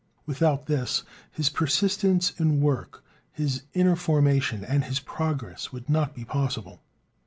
Without this his persistence in work, his inner formation, and his progress would not be possible.